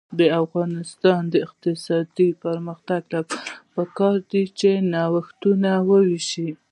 د افغانستان د اقتصادي پرمختګ لپاره پکار ده چې نوښتونه وشي.